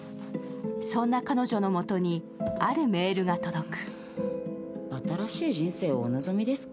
そんな彼女の元にあるメールが届く。